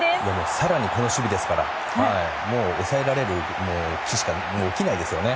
更にこの守備ですからもう抑えられる気しか起きないですよね。